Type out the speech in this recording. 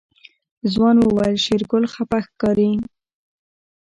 ځوان وويل شېرګل خپه ښکاري.